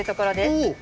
おっ！